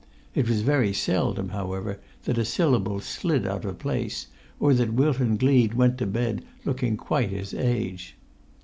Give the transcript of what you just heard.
It was very seldom, however, that a syllable slid out of place, or that Wilton Gleed went to bed looking quite his age.